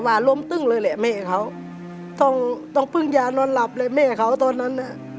ล้มตึ้งเลยแหละแม่เขาต้องต้องปึ้งยานอนหลับเลยแม่เขาตอนนั้นน่ะ